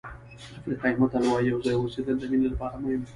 افریقایي متل وایي یو ځای اوسېدل د مینې لپاره مهم دي.